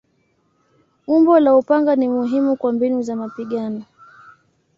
Umbo la upanga ni muhimu kwa mbinu za mapigano.